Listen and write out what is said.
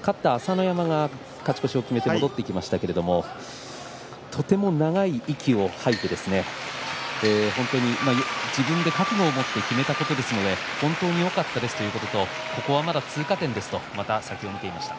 勝った朝乃山が勝ち越しを決めて戻ってきましたけれどもとても長い息を吐いて自分で覚悟を持って決めたことですので本当によかったですということとここはまだ通過点ですとまた先を見ていました。